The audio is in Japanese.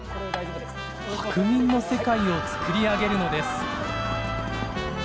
白銀の世界を作り上げるのです。